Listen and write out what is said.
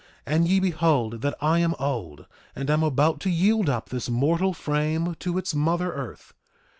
And ye behold that I am old, and am about to yield up this mortal frame to its mother earth.